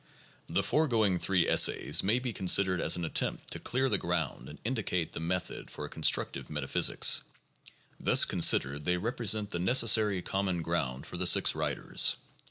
The foregoing three essays may be considered as an attempt to clear the ground and indicate the method for a constructive meta physic. Thus considered they represent the necessary common ground for the six writers.